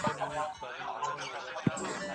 ځینې کسان د شپې کار کوي.